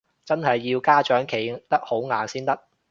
真係要家長企得好硬先得